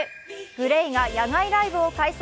ＧＬＡＹが野外ライブを開催。